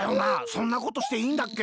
そんなことしていいんだっけ？